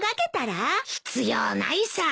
必要ないさ。